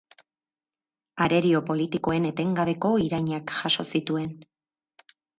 Arerio politikoen etengabeko irainak jaso zituen.